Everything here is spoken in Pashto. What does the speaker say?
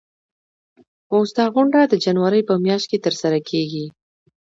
اوس دا غونډه د جنوري په میاشت کې ترسره کیږي.